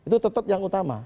tetap yang utama